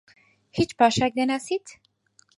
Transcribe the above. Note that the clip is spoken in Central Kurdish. هیچ پاشایەک دەناسیت؟